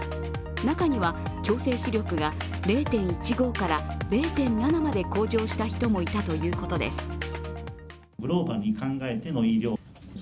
中には矯正視力が０．１５から０．７まで向上した人もいたということです。